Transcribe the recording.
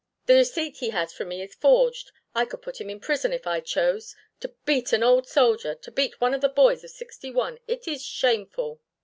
The receipt he has from me is forged. I could put him in prison if I chose. To beat an old soldier! to beat one of the boys of '61! it is shameful!"